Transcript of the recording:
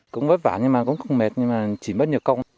cũng vất vả nhưng mà cũng không mệt nhưng mà chỉ mất nhiều công